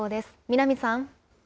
南さん。